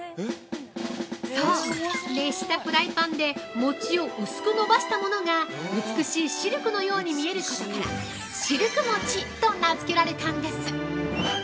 ◆そう、熱したフライパンで餅を薄く伸ばしたものが美しいシルクのように見えることからシルク餅と名づけられたんです。